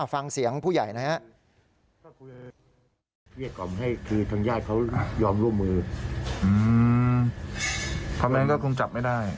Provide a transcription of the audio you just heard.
ฟังเสียงผู้ใหญ่นะครับ